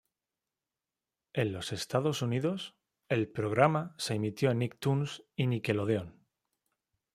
En los Estados Unidos, el programa se emitió en Nicktoons y Nickelodeon.